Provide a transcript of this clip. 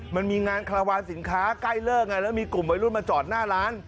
มันมีงานคาราวานสินค้าใกล้เลิกไงแล้วมีกลุ่มวัยรุ่นมาจอดหน้าร้าน